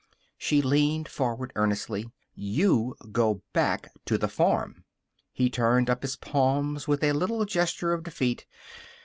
She leaned forward, earnestly. "You go back to the farm." He turned up his palms with a little gesture of defeat.